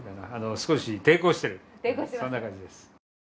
少し抵抗してる、そんな感じです。